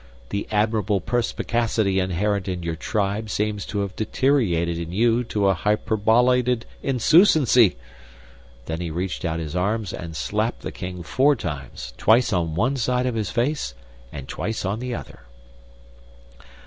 The admirable perspicacity inherent in your tribe seems to have deteriorated in you to a hyperbolated insousancy." Then he reached out his arms and slapped the king four times, twice on one side of his face and twice on the other.